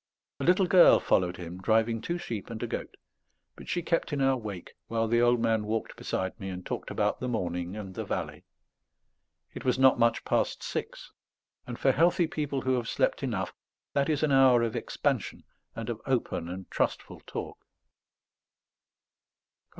A little girl followed him, driving two sheep and a goat; but she kept in our wake, while the old man walked beside me and talked about the morning and the valley. It was not much past six; and for healthy people who have slept enough that is an hour of expansion and of open and trustful talk.